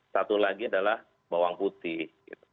satu lagi adalah bawang putih